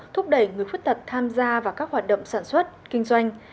thúc đẩy người khuyết tật tham gia vào các hoạt động sản xuất kinh doanh